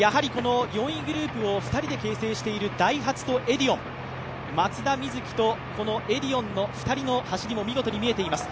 ４位グループを二人で形成しているダイハツとエディオン、松田瑞生とエディオンの２人の走りも見事に見えています。